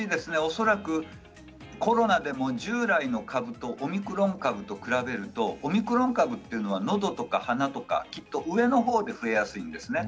恐らくコロナでも従来の株とオミクロン株と比べるとオミクロン株というのはのどや鼻上のほうで増えやすいんですね。